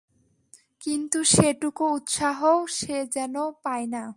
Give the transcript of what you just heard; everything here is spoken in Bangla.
কিন্তু সেটুকু উৎসাহও সে যেন পায় না।